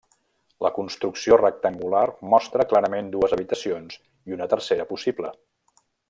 La construcció rectangular mostra clarament dues habitacions i una tercera possible.